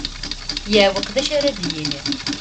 Yeɛweq d acu ara d-yini.